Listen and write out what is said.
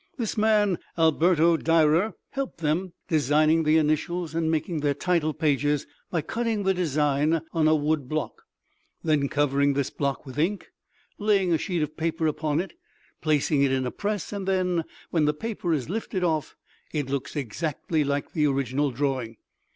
This man, Alberto Durer, helped them, designing the initials and making their title pages by cutting the design on a wood block, then covering this block with ink, laying a sheet of paper upon it, placing it in a press, and then when the paper is lifted off it looks exactly like the original drawing.